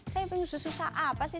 saya pengen susah apa sih